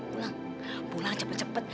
pulang pulang cepet cepet